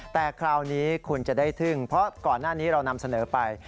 แต่คราวนี้คุณจะได้ทึ่งเพราะก่อนหน้านี้เรานำเสนอไป